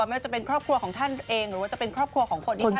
ไม่ว่าจะเป็นครอบครัวของท่านเองหรือว่าจะเป็นครอบครัวของคนที่ท่าน